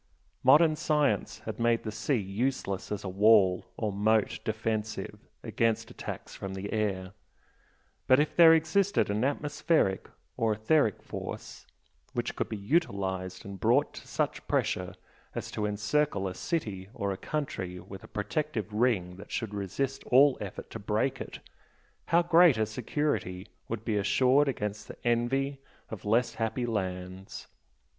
Modern science had made the sea useless as a "wall" or "moat defensive" against attacks from the air, but if there existed an atmospheric or "etheric" force which could be utilised and brought to such pressure as to encircle a city or a country with a protective ring that should resist all effort to break it, how great a security would be assured "against the envy of less happy lands"!